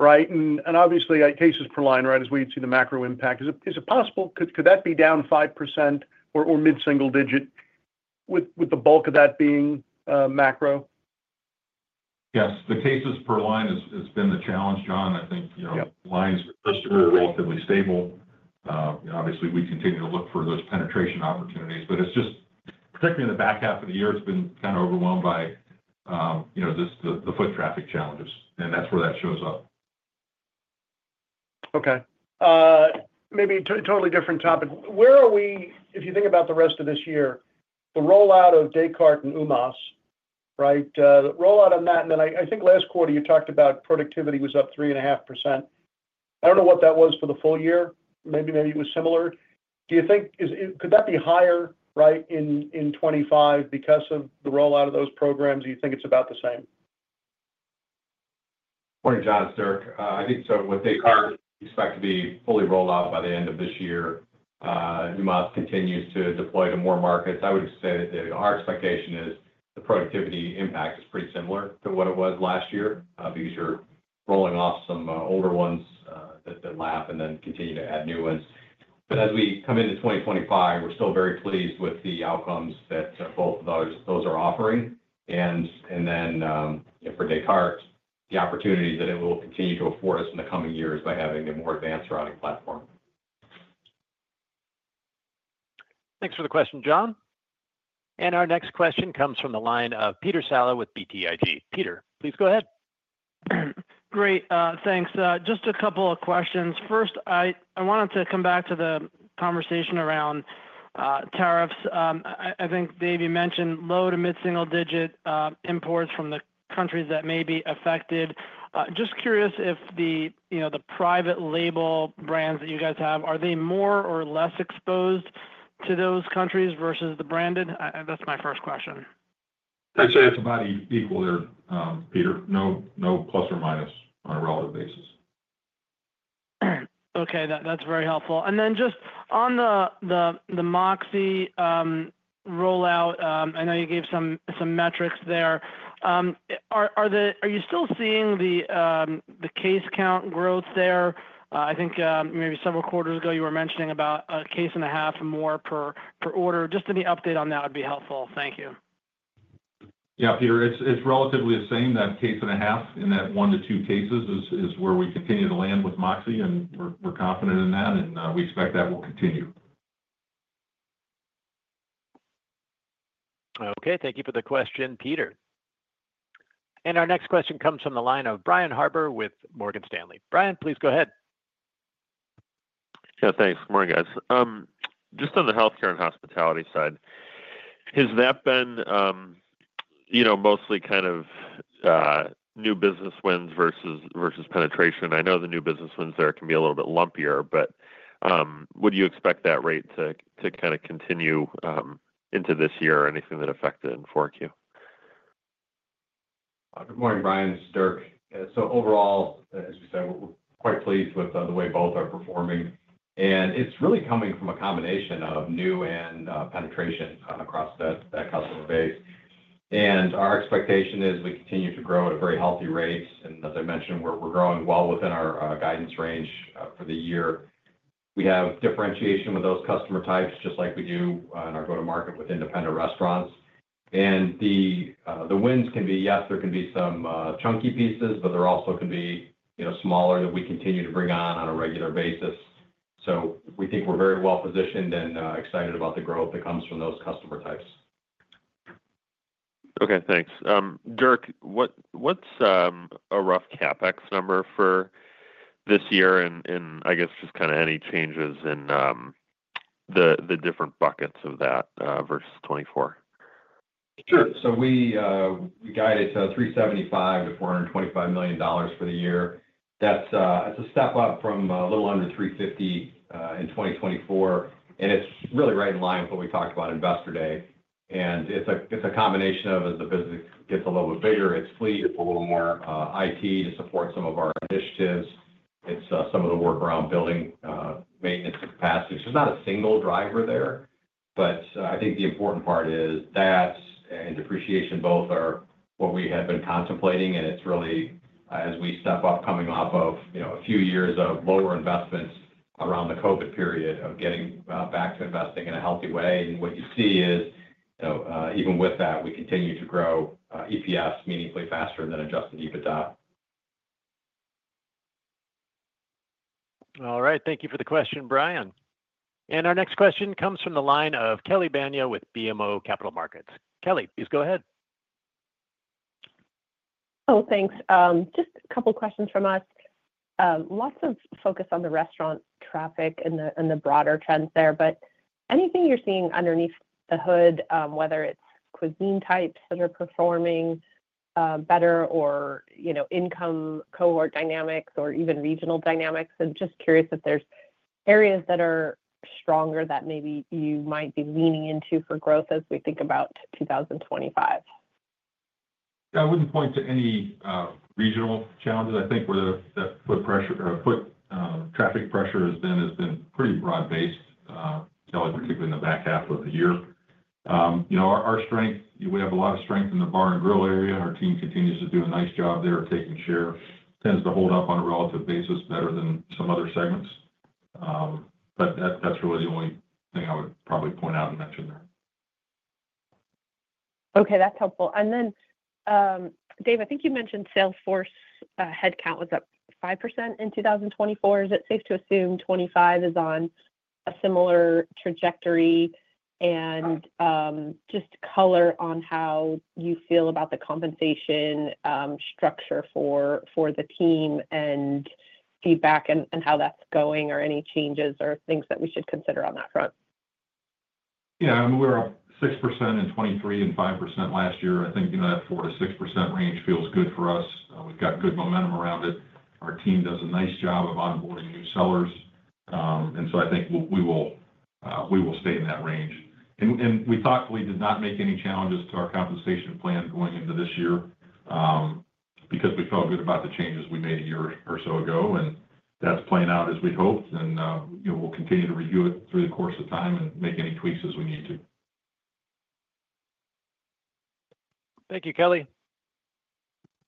right? And obviously, cases per line, right, as we see the macro impact, is it possible? Could that be down 5% or mid-single digit with the bulk of that being macro? Yes. The cases per line has been the challenge, John. I think lines for customers are relatively stable. Obviously, we continue to look for those penetration opportunities. But it's just, particularly in the back half of the year, it's been kind of overwhelmed by the foot traffic challenges. And that's where that shows up. Okay. Maybe totally different topic. Where are we, if you think about the rest of this year, the rollout of Descartes and WMOS right? The rollout on that. And then I think last quarter you talked about productivity was up 3.5%. I don't know what that was for the full year. Maybe it was similar. Do you think could that be higher, right, in 2025 because of the rollout of those programs? Do you think it's about the same? Morning, John. It's Dirk. I think so with Descartes, we expect to be fully rolled out by the end of this year. WMOS continues to deploy to more markets. I would say that our expectation is the productivity impact is pretty similar to what it was last year because you're rolling off some older ones that lap and then continue to add new ones. But as we come into 2025, we're still very pleased with the outcomes that both of those are offering. And then for Descartes, the opportunity that it will continue to afford us in the coming years by having a more advanced routing platform. Thanks for the question, John. And our next question comes from the line of Peter Saleh with BTIG. Peter, please go ahead. Great. Thanks. Just a couple of questions. First, I wanted to come back to the conversation around tariffs. I think Dave, you mentioned low to mid-single digit imports from the countries that may be affected. Just curious if the private label brands that you guys have, are they more or less exposed to those countries versus the branded? That's my first question. I'd say it's about equal there, Peter. No plus or minus on a relative basis. Okay. That's very helpful. And then just on the MOXē rollout, I know you gave some metrics there. Are you still seeing the case count growth there? I think maybe several quarters ago you were mentioning about a case and a half more per order. Just any update on that would be helpful. Thank you. Yeah, Peter, it's relatively the same, a case and a half in that one to two cases is where we continue to land with MOXē. And we're confident in that, and we expect that will continue. Okay. Thank you for the question, Peter. And our next question comes from the line of Brian Harbour with Morgan Stanley. Brian, please go ahead. Yeah. Thanks. Good morning, guys. Just on the healthcare and hospitality side, has that been mostly kind of new business wins versus penetration? I know the new business wins there can be a little bit lumpier, but would you expect that rate to kind of continue into this year or anything that affected in 2024? Good morning, Brian. This is Dirk. So overall, as we said, we're quite pleased with the way both are performing. And it's really coming from a combination of new and penetration across that customer base. And our expectation is we continue to grow at a very healthy rate. And as I mentioned, we're growing well within our guidance range for the year. We have differentiation with those customer types, just like we do in our go-to-market with independent restaurants. And the wins can be, yes, there can be some chunky pieces, but there also can be smaller that we continue to bring on a regular basis. So we think we're very well positioned and excited about the growth that comes from those customer types. Okay. Thanks. Dirk, what's a rough CapEx number for this year and, I guess, just kind of any changes in the different buckets of that versus 2024? Sure. So we guided to $375 million-$425 million for the year. That's a step up from a little under $350 in 2024, and it's really right in line with what we talked about at Investor Day, and it's a combination of, as the business gets a little bit bigger, it's fleet, it's a little more IT to support some of our initiatives. It's some of the work around building maintenance and capacity. There's not a single driver there, but I think the important part is that and depreciation both are what we have been contemplating, and it's really, as we step up coming off of a few years of lower investments around the COVID period of getting back to investing in a healthy way. And what you see is, even with that, we continue to grow EPS meaningfully faster than Adjusted EBITDA. All right. Thank you for the question, Brian. Our next question comes from the line of Kelly Bania with BMO Capital Markets. Kelly, please go ahead. Oh, thanks. Just a couple of questions from us. Lots of focus on the restaurant traffic and the broader trends there. But anything you're seeing underneath the hood, whether it's cuisine types that are performing better or income cohort dynamics or even regional dynamics. Just curious if there's areas that are stronger that maybe you might be leaning into for growth as we think about 2025. Yeah. I wouldn't point to any regional challenges. I think where the foot traffic pressure has been has been pretty broad-based, particularly in the back half of the year. Our strength, we have a lot of strength in the bar and grill area. Our team continues to do a nice job there. Taking share tends to hold up on a relative basis better than some other segments. But that's really the only thing I would probably point out and mention there. Okay. That's helpful. And then, Dave, I think you mentioned sales force headcount was up 5% in 2024. Is it safe to assume 2025 is on a similar trajectory? And just color on how you feel about the compensation structure for the team and feedback and how that's going or any changes or things that we should consider on that front? Yeah. I mean, we're up 6% in 2023 and 5% last year. I think that 4%-6% range feels good for us. We've got good momentum around it. Our team does a nice job of onboarding new sellers. And so I think we will stay in that range. And we thoughtfully did not make any challenges to our compensation plan going into this year because we felt good about the changes we made a year or so ago. And that's playing out as we hoped. And we'll continue to review it through the course of time and make any tweaks as we need to. Thank you, Kelly.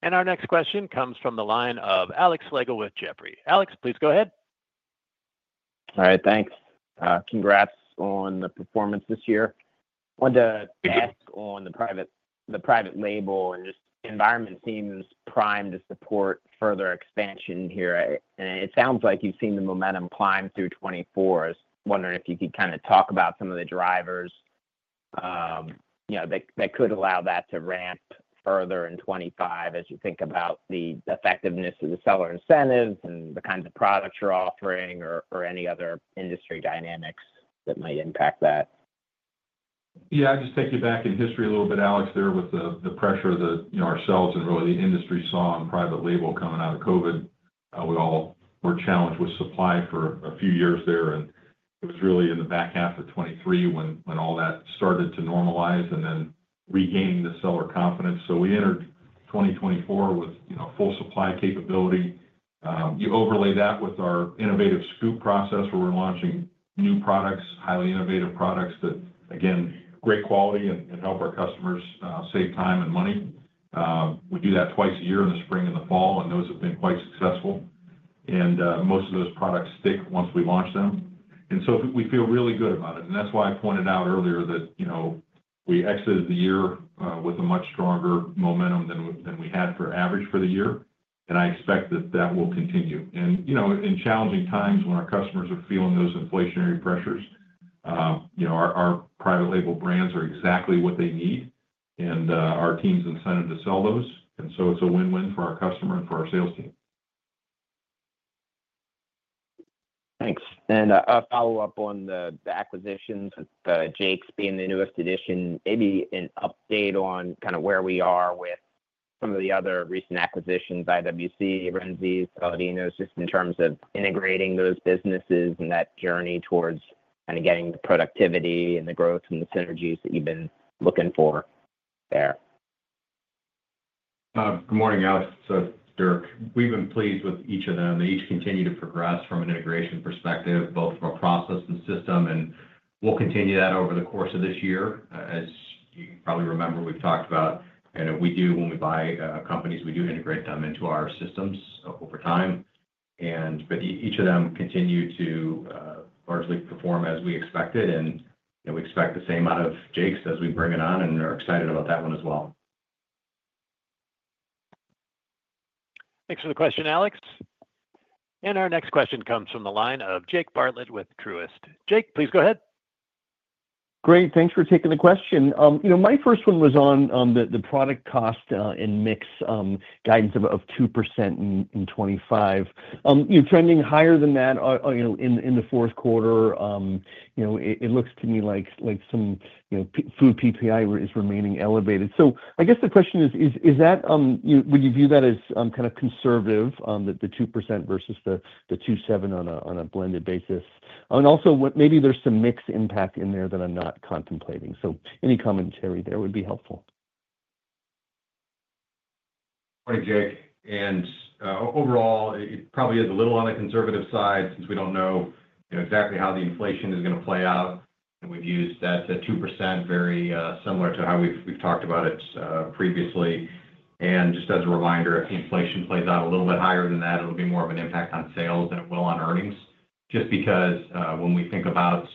And our next question comes from the line of Alex Slagle with Jefferies. Alex, please go ahead. All right. Thanks. Congrats on the performance this year. I wanted to ask on the private label, and the environment seems primed to support further expansion here. And it sounds like you've seen the momentum climb through 2024. I was wondering if you could kind of talk about some of the drivers that could allow that to ramp further in 2025 as you think about the effectiveness of the seller incentives and the kinds of products you're offering or any other industry dynamics that might impact that. Yeah. I'd just take you back in history a little bit, Alex, there with the pressure that ourselves and really the industry saw on private label coming out of COVID. We all were challenged with supply for a few years there. And it was really in the back half of 2023 when all that started to normalize and then regain the seller confidence. So we entered 2024 with full supply capability. You overlay that with our innovative Scoop process where we're launching new products, highly innovative products that, again, great quality and help our customers save time and money. We do that twice a year in the spring and the fall, and those have been quite successful. And most of those products stick once we launch them. And so we feel really good about it. And that's why I pointed out earlier that we exited the year with a much stronger momentum than we had for average for the year. And I expect that that will continue. And in challenging times when our customers are feeling those inflationary pressures, our private label brands are exactly what they need, and our team's incentive to sell those. And so it's a win-win for our customer and for our sales team. Thanks. And a follow-up on the acquisitions, with Jake's being the newest addition, maybe an update on kind of where we are with some of the other recent acquisitions, IWC, Renzi, Saladino's, just in terms of integrating those businesses and that journey towards kind of getting the productivity and the growth and the synergies that you've been looking for there. Good morning, Alex. So Dirk, we've been pleased with each of them. They each continue to progress from an integration perspective, both from a process and system. And we'll continue that over the course of this year. As you probably remember, we've talked about, we do, when we buy companies, we do integrate them into our systems over time. But each of them continue to largely perform as we expected. And we expect the same out of Jake's as we bring it on and are excited about that one as well. Thanks for the question, Alex. Our next question comes from the line of Jake Bartlett with Truist. Jake, please go ahead. Great. Thanks for taking the question. My first one was on the product cost and mix guidance of 2% in 2025. Trending higher than that in the fourth quarter, it looks to me like some food PPI is remaining elevated. So I guess the question is, would you view that as kind of conservative, the 2% versus the 2.7% on a blended basis? And also, maybe there's some mixed impact in there that I'm not contemplating. So any commentary there would be helpful. Morning, Jake. Overall, it probably is a little on the conservative side since we don't know exactly how the inflation is going to play out. We've used that 2% very similar to how we've talked about it previously. Just as a reminder, if the inflation plays out a little bit higher than that, it'll be more of an impact on sales than it will on earnings, just because when we think about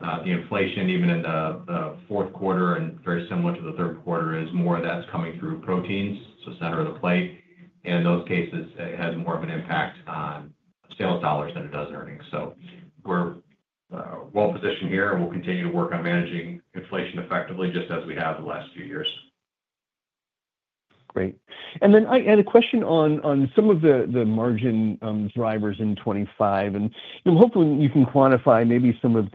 the inflation, even in the fourth quarter, and very similar to the third quarter, more of that's coming through proteins, so center of the plate. And in those cases, it has more of an impact on sales dollars than it does earnings. So we're well positioned here, and we'll continue to work on managing inflation effectively just as we have the last few years. Great. And then I had a question on some of the margin drivers in 2025. And hopefully, you can quantify maybe some of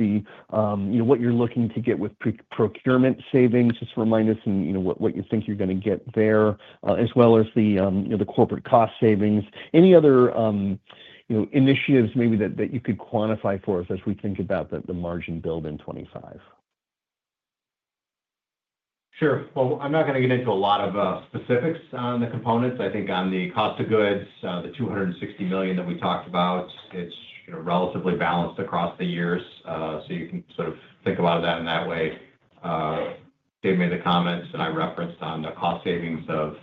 what you're looking to get with procurement savings, just to remind us what you think you're going to get there, as well as the corporate cost savings. Any other initiatives maybe that you could quantify for us as we think about the margin build in 2025? Sure. Well, I'm not going to get into a lot of specifics on the components. I think on the cost of goods, the $260 million that we talked about, it's relatively balanced across the years. So you can sort of think about that in that way. Dave made the comments, and I referenced on the cost savings of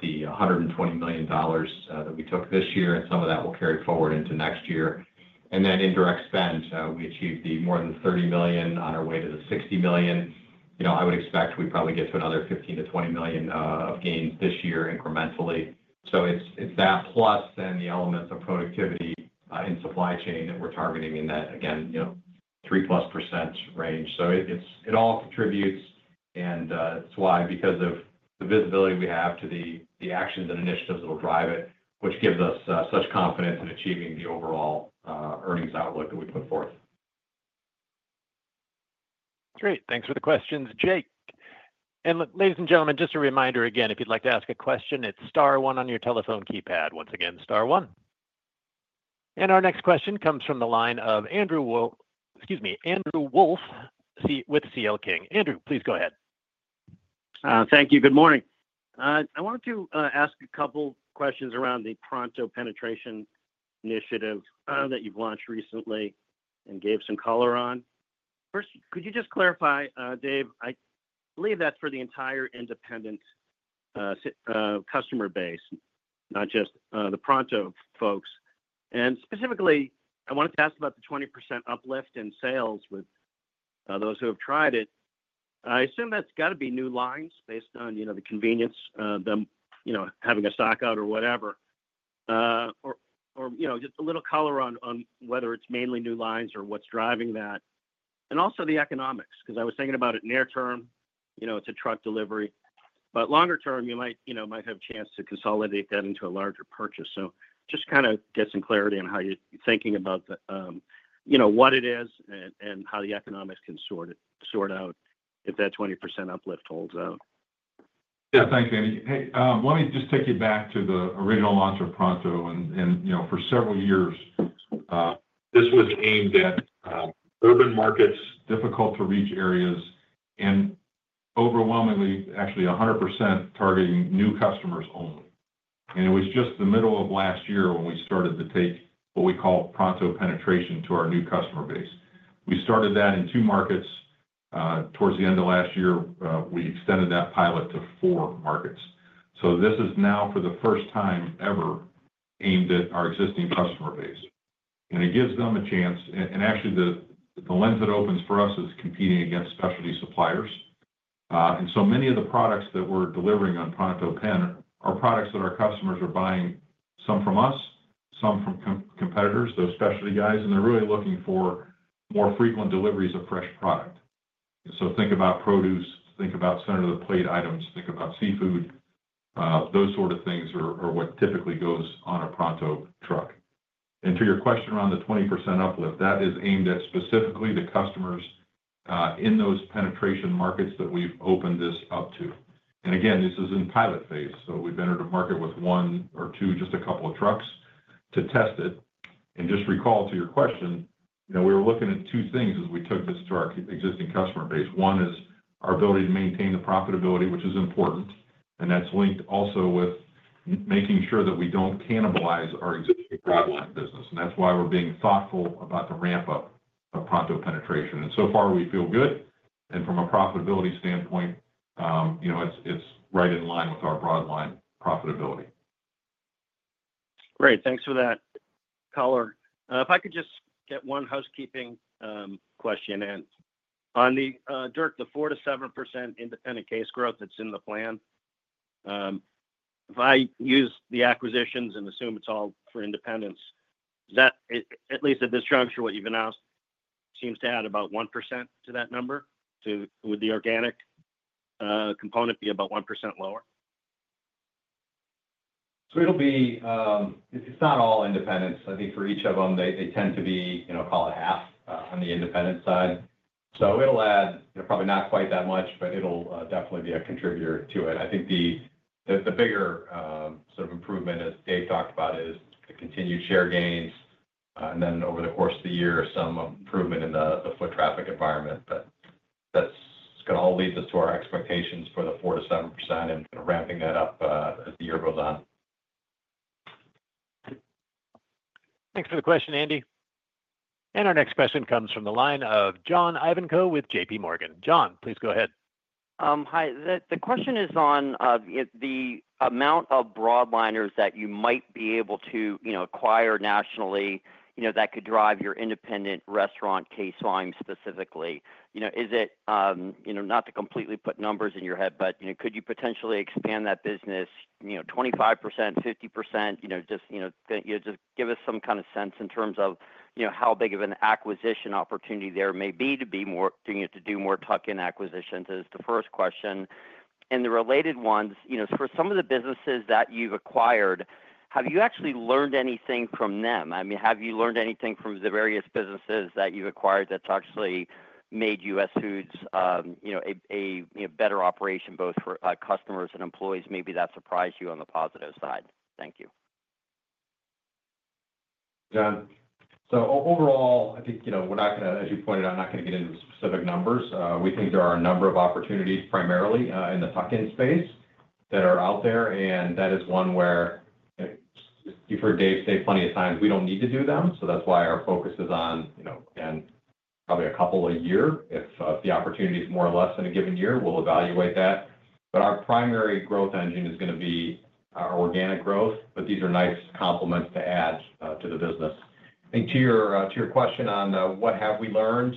the $120 million that we took this year, and some of that will carry forward into next year, and then indirect spend, we achieved the more than $30 million on our way to the $60 million. I would expect we probably get to another $15 million-$20 million of gains this year incrementally. So it's that plus and the elements of productivity in supply chain that we're targeting in that, again, 3%+ range. So it all contributes. And that's why, because of the visibility we have to the actions and initiatives that will drive it, which gives us such confidence in achieving the overall earnings outlook that we put forth. Great. Thanks for the questions, Jake. And ladies and gentlemen, just a reminder again, if you'd like to ask a question, it's star one on your telephone keypad. Once again, star one. And our next question comes from the line of Andrew, excuse me, Andrew Wolf with C.L. King. Andrew, please go ahead. Thank you. Good morning. I wanted to ask a couple of questions around the Pronto penetration initiative that you've launched recently and gave some color on. First, could you just clarify, Dave? I believe that's for the entire independent customer base, not just the Pronto folks. And specifically, I wanted to ask about the 20% uplift in sales with those who have tried it. I assume that's got to be new lines based on the convenience of them having a stockout or whatever, or just a little color on whether it's mainly new lines or what's driving that. And also the economics, because I was thinking about it near-term, it's a truck delivery. But longer term, you might have a chance to consolidate that into a larger purchase. So just kind of get some clarity on how you're thinking about what it is and how the economics can sort out if that 20% uplift holds out. Yeah. Thanks, Andy. Hey, let me just take you back to the original launch of Pronto. And for several years, this was aimed at urban markets, difficult-to-reach areas, and overwhelmingly, actually 100% targeting new customers only. And it was just the middle of last year when we started to take what we call Pronto penetration to our new customer base. We started that in two markets. Toward the end of last year, we extended that pilot to four markets. So this is now, for the first time ever, aimed at our existing customer base. And it gives them a chance. And actually, the lens that opens for us is competing against specialty suppliers. And so many of the products that we're delivering on Pronto are products that our customers are buying some from us, some from competitors, those specialty guys. And they're really looking for more frequent deliveries of fresh product. So think about produce, think about center-of-the-plate items, think about seafood. Those sort of things are what typically goes on a Pronto truck. And to your question around the 20% uplift, that is aimed at specifically the customers in those penetration markets that we've opened this up to. And again, this is in pilot phase. So we've entered a market with one or two, just a couple of trucks to test it. And just recall, to your question, we were looking at two things as we took this to our existing customer base. One is our ability to maintain the profitability, which is important. And that's linked also with making sure that we don't cannibalize our existing broadline business. And that's why we're being thoughtful about the ramp-up of Pronto penetration. And so far, we feel good. And from a profitability standpoint, it's right in line with our broadline profitability. Great. Thanks for that color. If I could just get one housekeeping question. On the deck, the 4%-7% independent case growth that's in the plan, if I use the acquisitions and assume it's all for independents, at least at this juncture, what you've announced seems to add about 1% to that number. Would the organic component be about 1% lower? It's not all independents. I think for each of them, they tend to be call it half on the independent side. So it'll add probably not quite that much, but it'll definitely be a contributor to it. I think the bigger sort of improvement, as Dave talked about, is the continued share gains. And then over the course of the year, some improvement in the foot traffic environment. But that's going to all lead us to our expectations for the 4%-7% and ramping that up as the year goes on. Thanks for the question, Andy. And our next question comes from the line of John Ivanko with JPMorgan. John, please go ahead. Hi. The question is on the amount of broadliners that you might be able to acquire nationally that could drive your independent restaurant case line specifically. Is it not to completely put numbers in your head, but could you potentially expand that business 25%, 50%? Just give us some kind of sense in terms of how big of an acquisition opportunity there may be to do more tuck-in acquisitions is the first question. And the related ones, for some of the businesses that you've acquired, have you actually learned anything from them? I mean, have you learned anything from the various businesses that you've acquired that's actually made US Foods a better operation, both for customers and employees? Maybe that surprised you on the positive side. Thank you. So overall, I think we're not going to, as you pointed out, I'm not going to get into specific numbers. We think there are a number of opportunities, primarily in the tuck-in space, that are out there. And that is one where you've heard Dave say plenty of times, we don't need to do them. So that's why our focus is on, again, probably a couple a year. If the opportunity is more or less in a given year, we'll evaluate that. But our primary growth engine is going to be our organic growth. But these are nice complements to add to the business. I think to your question on what have we learned,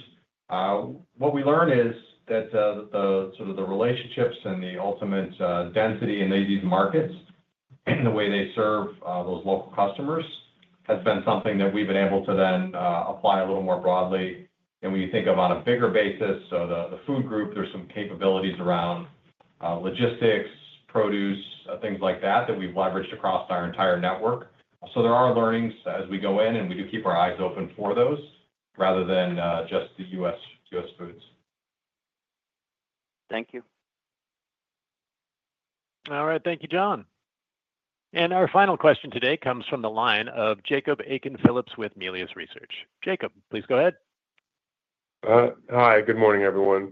what we learned is that sort of the relationships and the ultimate density in these markets and the way they serve those local customers has been something that we've been able to then apply a little more broadly, and when you think of on a bigger basis, so the Food Group, there's some capabilities around logistics, produce, things like that that we've leveraged across our entire network. So there are learnings as we go in, and we do keep our eyes open for those rather than just the US Foods. Thank you. All right. Thank you, John, and our final question today comes from the line of Jacob Aiken-Phillips with Melius Research. Jacob, please go ahead. Hi. Good morning, everyone.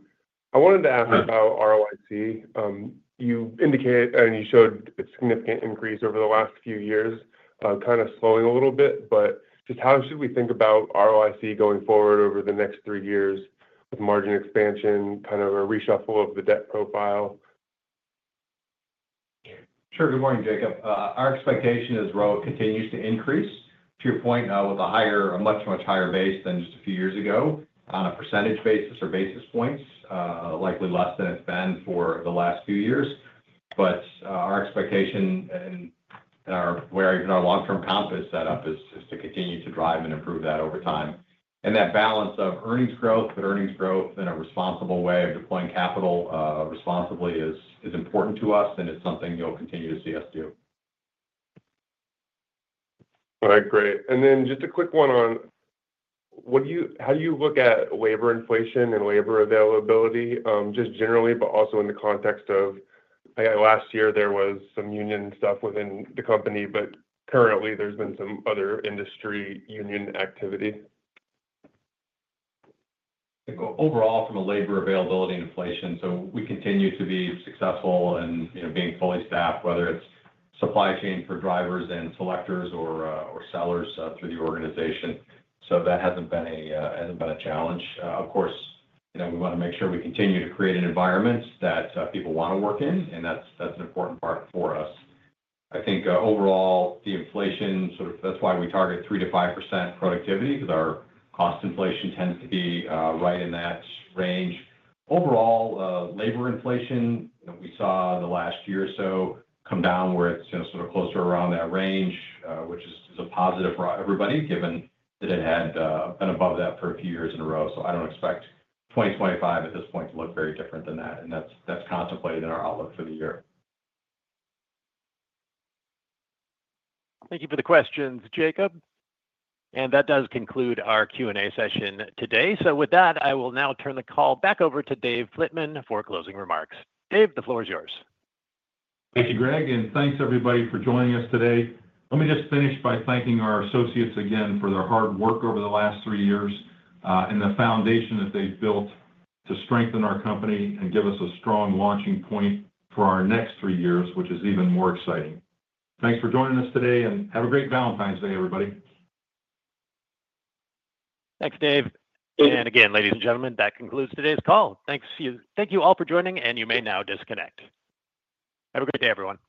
I wanted to ask about ROIC. You indicated and you showed a significant increase over the last few years, kind of slowing a little bit. But just how should we think about ROIC going forward over the next three years with margin expansion, kind of a reshuffle of the debt profile? Sure. Good morning, Jacob. Our expectation is growth continues to increase. To your point, with a much, much higher base than just a few years ago on a percentage basis or basis points, likely less than it's been for the last few years. But our expectation and where even our long-term comp is set up is to continue to drive and improve that over time. And that balance of earnings growth, but earnings growth in a responsible way of deploying capital responsibly is important to us, and it's something you'll continue to see us do. All right. Great. And then just a quick one on how do you look at labor inflation and labor availability, just generally, but also in the context of, I guess, last year, there was some union stuff within the company, but currently, there's been some other industry union activity? Overall, from a labor availability inflation, so we continue to be successful in being fully staffed, whether it's supply chain for drivers and selectors or sellers through the organization. So that hasn't been a challenge. Of course, we want to make sure we continue to create an environment that people want to work in, and that's an important part for us. I think overall, the inflation, sort of that's why we target 3%-5% productivity because our cost inflation tends to be right in that range. Overall, labor inflation, we saw the last year or so come down where it's sort of closer around that range, which is a positive for everybody, given that it had been above that for a few years in a row. So I don't expect 2025 at this point to look very different than that. And that's contemplated in our outlook for the year. Thank you for the questions, Jacob. And that does conclude our Q&A session today. So with that, I will now turn the call back over to Dave Flitman for closing remarks. Dave, the floor is yours. Thank you, Greg. And thanks, everybody, for joining us today. Let me just finish by thanking our associates again for their hard work over the last three years and the foundation that they've built to strengthen our company and give us a strong launching point for our next three years, which is even more exciting. Thanks for joining us today, and have a great Valentine's Day, everybody. Thanks, Dave. And again, ladies and gentlemen, that concludes today's call. Thank you all for joining, and you may now disconnect. Have a great day, everyone.